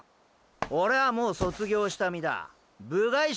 オレはもう卒業した身だ部外者だァ。